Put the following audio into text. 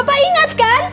bapak ingat kan